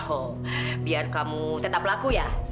oh biar kamu tetap laku ya